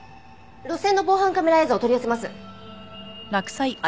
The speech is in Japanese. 路線の防犯カメラ映像を取り寄せます。